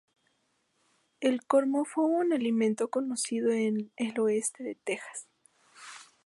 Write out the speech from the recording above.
El cormo fue un alimento conocido en el oeste de Texas.